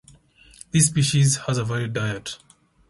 This species has a varied diet.